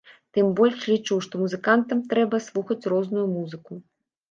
Тым больш, лічу, што музыкантам трэба слухаць розную музыку.